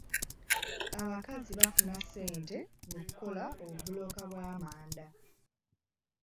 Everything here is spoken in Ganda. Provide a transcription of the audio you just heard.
Abakazi bafuna ssente mu kukola obubulooka bw'amanda.